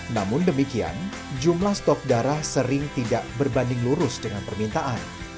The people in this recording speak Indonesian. namun demikian jumlah stok darah sering tidak berbanding lurus dengan permintaan